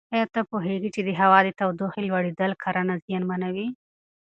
ایا ته پوهېږې چې د هوا د تودوخې لوړېدل کرنه زیانمنوي؟